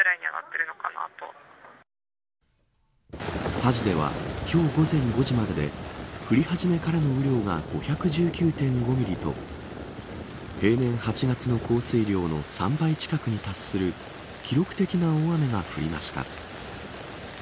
佐治では、今日午前５時までで降り始めからの雨量が５１９．５ミリと平年８月の降水量の３倍近くに達する記録的な大雨が降りました。